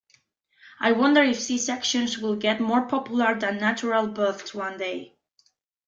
I wonder if C-sections will get more popular than natural births one day.